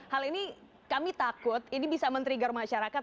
hal ini kami takut ini bisa men trigger masyarakat